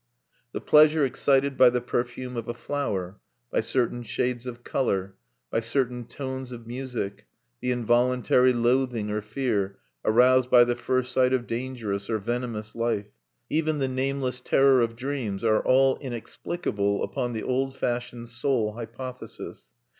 The pleasure excited by the perfume of a flower, by certain shades of color, by certain tones of music; the involuntary loathing or fear aroused by the first sight of dangerous or venomous life; even the nameless terror of dreams, are all inexplicable upon the old fashioned soul hypothesis.